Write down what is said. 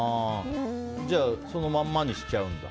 じゃあそのままにしちゃうんだ。